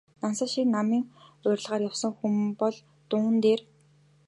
Нансал шиг намын уриалгаар явсан хүн бол дуун дээр...